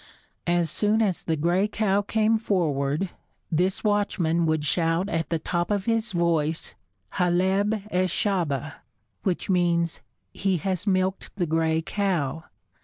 As soon as the gray cow came forward, this watchman would shout at the top of his voice, "Haleb es Shahba," which means, "He has milked the gray cow."